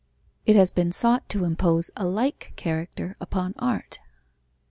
It has been sought to impose a like character upon art.